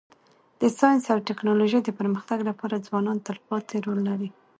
د ساینس او ټکنالوژۍ د پرمختګ لپاره ځوانان تلپاتی رول لري.